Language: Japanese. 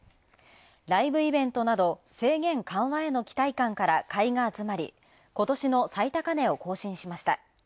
ライブイベントなど、制限緩和への期待感から買いが集まり、今年の最高値を更新しました。